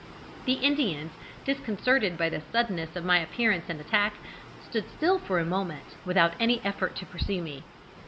The Indians, disconcerted by the suddenness of my appearance and attack, stood still for a moment without any effort to pursue me.